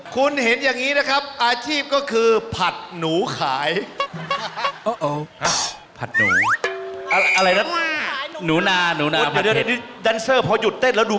คุณเจี๊ยบคุณทราบไหมครับว่าเขาทำอาชีพอะไรอาชีพร้องเพลงที่เป็นอาชีพเสริม